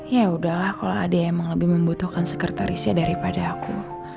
ya udahlah kalau ada yang lebih membutuhkan sekretarisnya daripada aku